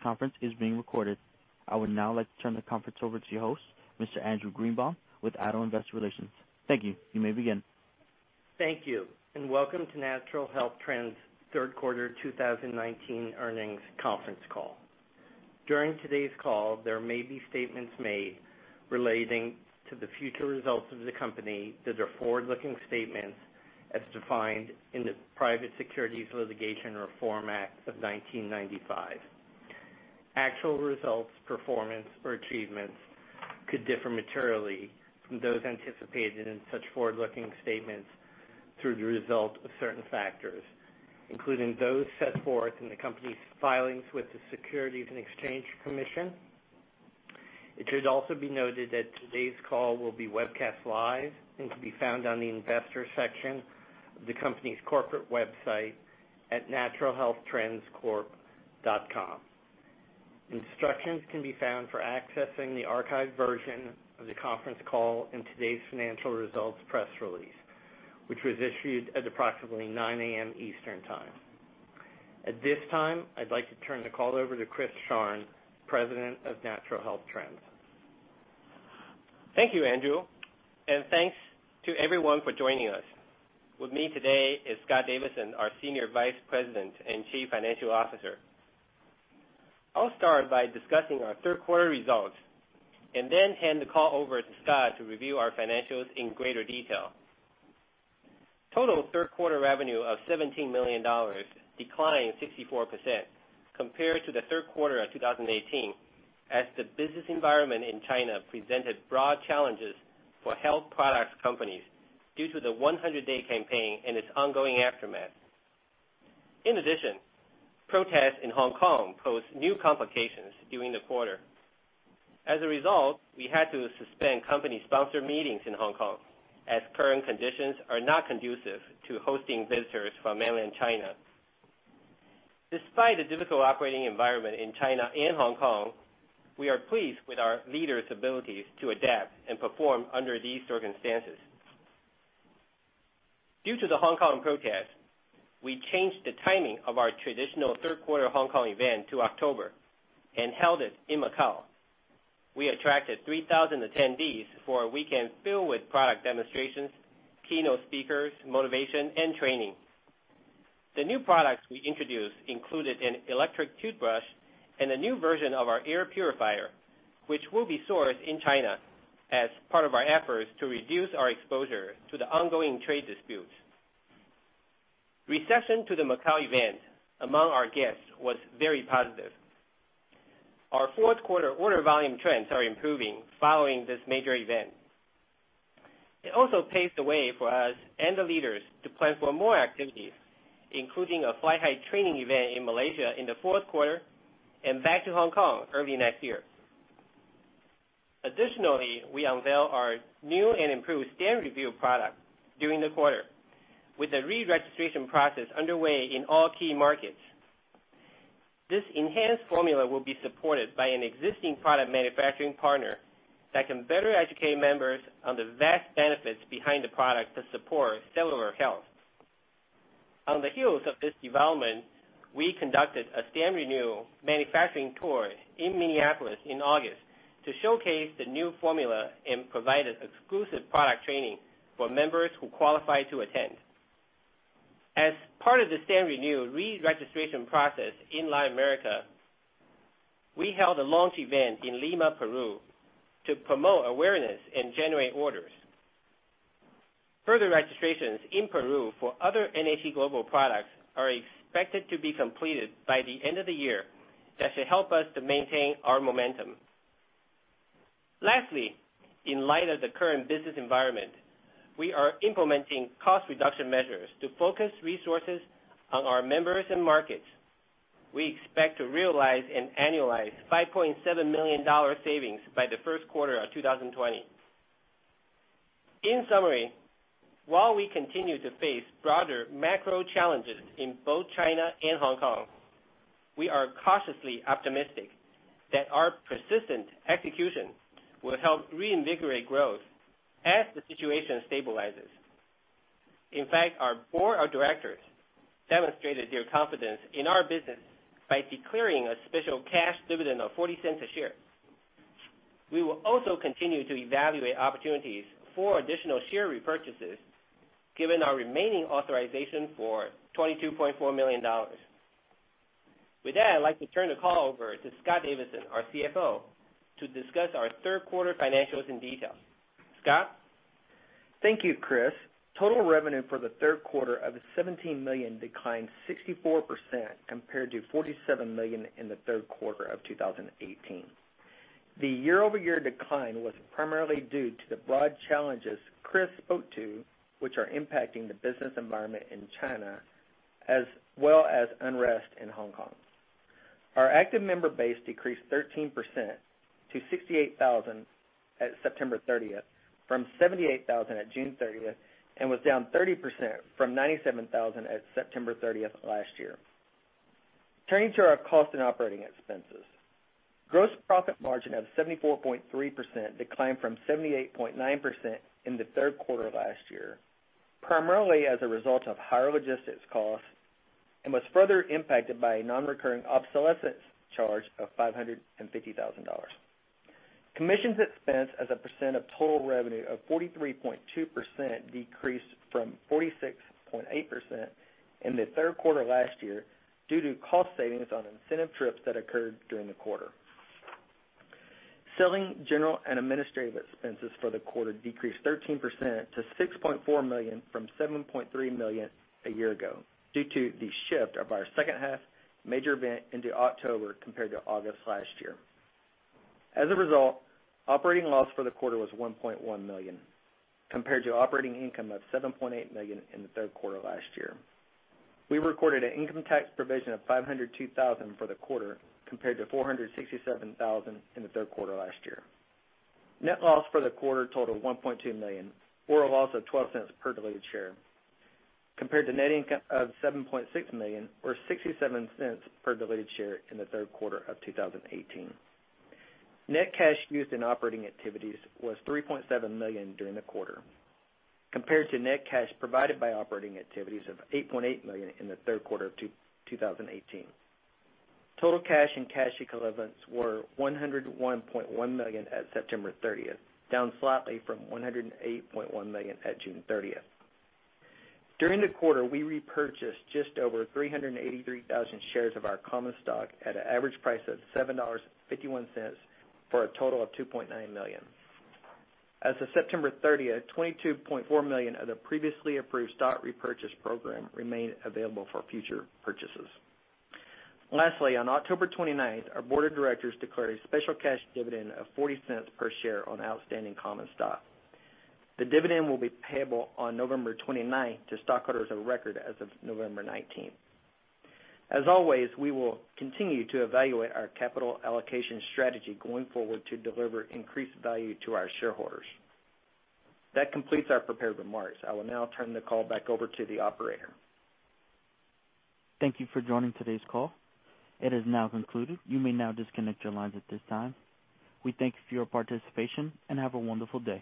Please note this conference is being recorded. I would now like to turn the conference over to your host, Mr. Andrew Greenebaum, with Addo Investor Relations. Thank you. You may begin. Thank you, welcome to Natural Health Trends' third quarter 2019 earnings conference call. During today's call, there may be statements made relating to the future results of the company that are forward-looking statements as defined in the Private Securities Litigation Reform Act of 1995. Actual results, performance, or achievements could differ materially from those anticipated in such forward-looking statements through the result of certain factors, including those set forth in the company's filings with the Securities and Exchange Commission. It should also be noted that today's call will be webcast live and can be found on the investors section of the company's corporate website at naturalhealthtrendscorp.com. Instructions can be found for accessing the archived version of the conference call in today's financial results press release, which was issued at approximately 9:00 A.M. Eastern Time. At this time, I'd like to turn the call over to Chris Sharng, President of Natural Health Trends. Thank you, Andrew, and thanks to everyone for joining us. With me today is Scott Davidson, our Senior Vice President and Chief Financial Officer. I'll start by discussing our third quarter results and then hand the call over to Scott to review our financials in greater detail. Total third quarter revenue of $17 million, declining 64% compared to the third quarter of 2018, as the business environment in China presented broad challenges for health products companies due to the 100-day campaign and its ongoing aftermath. In addition, protests in Hong Kong posed new complications during the quarter. As a result, we had to suspend company-sponsored meetings in Hong Kong, as current conditions are not conducive to hosting visitors from mainland China. Despite the difficult operating environment in China and Hong Kong, we are pleased with our leaders' abilities to adapt and perform under these circumstances. Due to the Hong Kong protests, we changed the timing of our traditional third quarter Hong Kong event to October and held it in Macau. We attracted 3,000 attendees for a weekend filled with product demonstrations, keynote speakers, motivation, and training. The new products we introduced included an electric toothbrush and a new version of our air purifier, which will be sourced in China as part of our efforts to reduce our exposure to the ongoing trade disputes. Reception to the Macau event among our guests was very positive. Our fourth quarter order volume trends are improving following this major event. It also paves the way for us and the leaders to plan for more activities, including a Fly High training event in Malaysia in the fourth quarter and back to Hong Kong early next year. Additionally, we unveil our new and improved StemRenu product during the quarter, with the re-registration process underway in all key markets. This enhanced formula will be supported by an existing product manufacturing partner that can better educate members on the vast benefits behind the product to support cellular health. On the heels of this development, we conducted a StemRenu manufacturing tour in Minneapolis in August to showcase the new formula and provide an exclusive product training for members who qualify to attend. As part of the StemRenu re-registration process in Latin America, we held a launch event in Lima, Peru, to promote awareness and generate orders. Further registrations in Peru for other NHT Global products are expected to be completed by the end of the year. That should help us to maintain our momentum. Lastly, in light of the current business environment, we are implementing cost reduction measures to focus resources on our members and markets. We expect to realize an annualized $5.7 million savings by the first quarter of 2020. In summary, while we continue to face broader macro challenges in both China and Hong Kong, we are cautiously optimistic that our persistent execution will help reinvigorate growth as the situation stabilizes. In fact, our board of directors demonstrated their confidence in our business by declaring a special cash dividend of $0.40 a share. We will also continue to evaluate opportunities for additional share repurchases, given our remaining authorization for $22.4 million. With that, I'd like to turn the call over to Scott Davidson, our CFO, to discuss our third quarter financials in detail. Scott? Thank you, Chris. Total revenue for the third quarter of $17 million declined 64% compared to $47 million in the third quarter of 2018. The year-over-year decline was primarily due to the broad challenges Chris spoke to, which are impacting the business environment in China, as well as unrest in Hong Kong. Our active member base decreased 13% to 68,000 at September 30th, from 78,000 at June 30th, and was down 30% from 97,000 at September 30th last year. Turning to our cost and operating expenses. Gross profit margin of 74.3% declined from 78.9% in the third quarter of last year, primarily as a result of higher logistics costs, and was further impacted by a non-recurring obsolescence charge of $550,000. Commissions expense as a % of total revenue of 43.2% decreased from 46.8% in the third quarter last year due to cost savings on incentive trips that occurred during the quarter. Selling, general, and administrative expenses for the quarter decreased 13% to $6.4 million from $7.3 million a year ago due to the shift of our second half major event into October compared to August last year. As a result, operating loss for the quarter was $1.1 million compared to operating income of $7.8 million in the third quarter last year. We recorded an income tax provision of $502,000 for the quarter compared to $467,000 in the third quarter last year. Net loss for the quarter totaled $1.2 million, or a loss of $0.12 per diluted share, compared to net income of $7.6 million, or $0.67 per diluted share in the third quarter of 2018. Net cash used in operating activities was $3.7 million during the quarter compared to net cash provided by operating activities of $8.8 million in the third quarter of 2018. Total cash and cash equivalents were $101.1 million at September 30th, down slightly from $108.1 million at June 30th. During the quarter, we repurchased just over 383,000 shares of our common stock at an average price of $7.51 for a total of $2.9 million. As of September 30th, $22.4 million of the previously approved stock repurchase program remain available for future purchases. Lastly, on October 29th, our board of directors declared a special cash dividend of $0.40 per share on outstanding common stock. The dividend will be payable on November 29th to stockholders of record as of November 19th. As always, we will continue to evaluate our capital allocation strategy going forward to deliver increased value to our shareholders. That completes our prepared remarks. I will now turn the call back over to the operator. Thank you for joining today's call. It has now concluded. You may now disconnect your lines at this time. We thank you for your participation, and have a wonderful day.